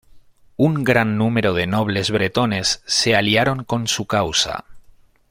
Un gran número de nobles bretones se aliaron con su causa.